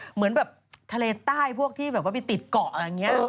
เหมือนแบบทะเลใต้พวกที่แบบว่าไปติดเกาะอย่างนี้